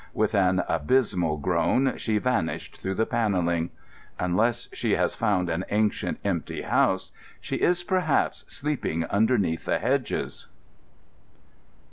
With an abysmal groan she vanished through the panelling. Unless she has found an ancient, empty house, she is perhaps sleeping underneath the hedges.